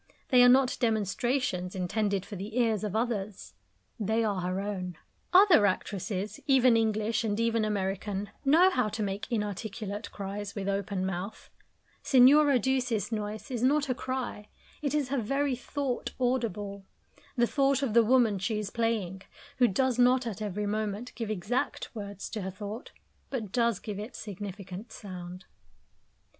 They are not demonstrations intended for the ears of others; they are her own. Other actresses, even English, and even American, know how to make inarticulate cries, with open mouth; Signora Duse's noise is not a cry; it is her very thought audible the thought of the woman she is playing, who does not at every moment give exact words to her thought, but does give it significant sound.